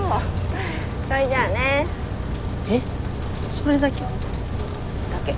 それだけ？だけ。